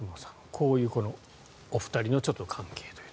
こういうお二人の関係と。